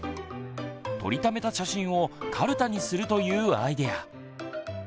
撮りためた写真をカルタにするというアイデア。